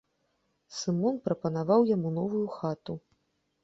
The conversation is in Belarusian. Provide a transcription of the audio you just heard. Сымон прапанаваў яму новую хату.